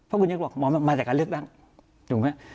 เพราะคุณยกรอกมองมาแต่การเลือกดังถูกมั้ยฮะ